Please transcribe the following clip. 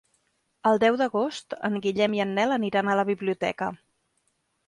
El deu d'agost en Guillem i en Nel aniran a la biblioteca.